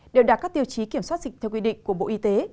đều đạt các tiêu chí kiểm soát dịch theo quy định của bộ y tế